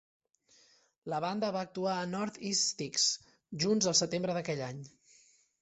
La banda va actuar a North East Sticks junts el setembre d'aquell any.